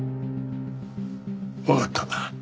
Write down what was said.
わかった。